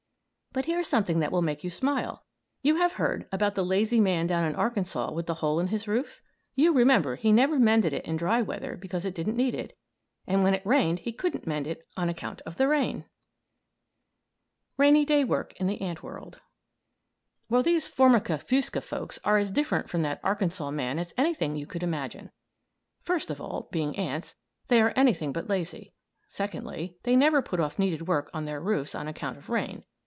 But here's something that will make you smile! You have heard about the lazy man down in Arkansas with the hole in his roof? You remember he never mended it in dry weather because it didn't need it, and when it rained he couldn't mend it on account of the rain! RAINY DAY WORK IN THE ANT WORLD Well, these Formica fusca folks are as different from that Arkansas man as anything you could imagine. First of all, being ants, they are anything but lazy; secondly, they never put off needed work on their roofs on account of rain.